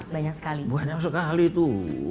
banyak sekali itu